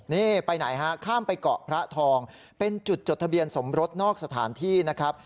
นี่ไปไหนฮะข้ามไปเกาะพระทองเป็นจุดจดทะเบียนสมรสนอกสถานที่นะครับ